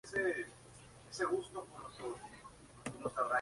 Al final del torneo el equipo concluyó en la quinta posición.